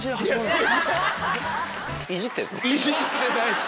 いじってないです。